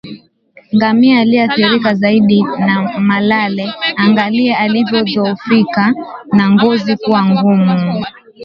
Ngamia aliyeathirika zaidi na malale angalia alivyodhoofika na ngozi kuwa ngumu